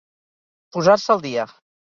Posar-se al dia.